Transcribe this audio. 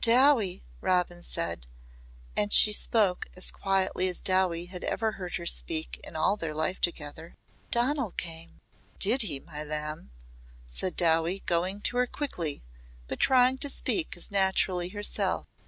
"Dowie," Robin said and she spoke as quietly as Dowie had ever heard her speak in all their life together, "Donal came." "Did he, my lamb?" said Dowie going to her quickly but trying to speak as naturally herself.